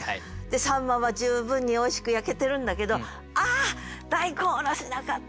秋刀魚は十分においしく焼けてるんだけど「あ！大根おろし無かった！」。